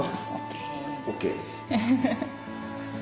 ＯＫ！